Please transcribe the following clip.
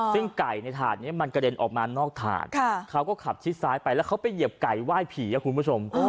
ซึ่งไก่ในถาดนี้มันกระเด็นออกมานอกถาดเขาก็ขับชิดซ้ายไปแล้วเขาไปเหยียบไก่ไหว้ผีครับคุณผู้ชม